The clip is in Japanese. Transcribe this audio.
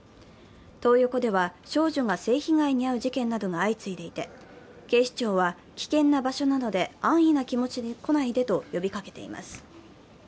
トー横では少女が性被害に遭う事件などが相次いでいて警視庁は、危険な場所なので、安易な気持ちで来ないでと呼びかけています。